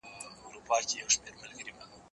زه کولای سم کالي وپرېولم!.